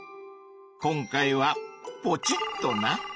今回はポチッとな！